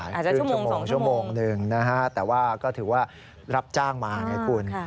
ครึ่งชั่วโมงชั่วโมงหนึ่งนะฮะแต่ว่าก็ถือว่ารับจ้างมาไงคุณ